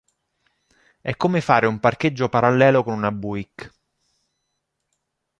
È come fare un parcheggio parallelo con una Buick".